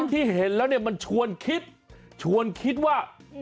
ที่เห็นแล้วเนี่ยมันชวนคิดชวนคิดว่า